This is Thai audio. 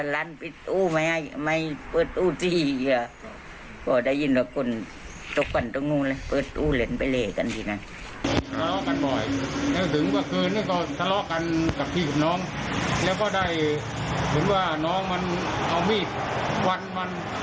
แล้วก็ได้เห็นว่าน้องมันเอามีดควันมัน